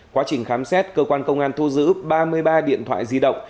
quá trình khám xét cơ quan công an thu giữ ba mươi ba điện thoại di động